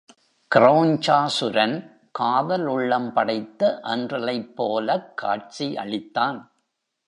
கிரெளஞ்சாசுரன் காதல் உள்ளம் படைத்த அன்றிலைப் போலக் காட்சி அளித்தான்.